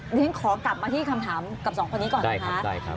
อย่างนั้นขอกลับมาที่คำถามกับสองคนนี้ก่อนนะคะได้ครับ